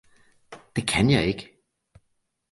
Det kan jeg ikke!